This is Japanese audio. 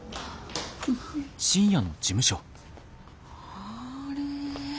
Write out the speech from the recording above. あれ。